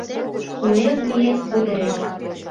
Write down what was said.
Куэ вует кудырет